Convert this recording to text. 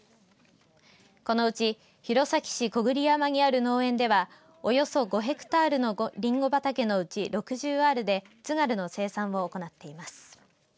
このうち弘前市小栗山にある農園ではおよそ５ヘクタールのりんご畑のうち６０アールでつがるの生産を行っています。